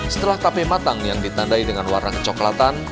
setelah tape matang yang ditandai dengan warna kecoklatan